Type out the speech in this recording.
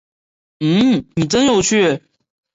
嗯，您真有趣